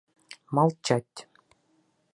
Молчать!